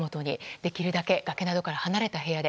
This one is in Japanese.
できるだけ崖などから離れた部屋で。